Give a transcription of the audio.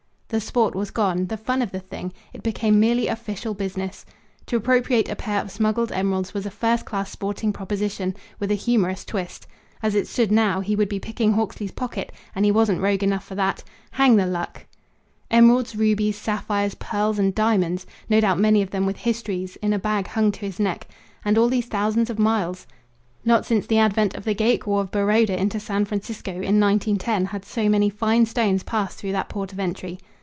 The sport was gone, the fun of the thing; it became merely official business. To appropriate a pair of smuggled emeralds was a first class sporting proposition, with a humorous twist. As it stood now, he would be picking Hawksley's pocket; and he wasn't rogue enough for that. Hang the luck! Emeralds, rubies, sapphires, pearls, and diamonds! No doubt many of them with histories in a bag hung to his neck and all these thousands of miles! Not since the advent of the Gaekwar of Baroda into San Francisco, in 1910, had so many fine stones passed through that port of entry.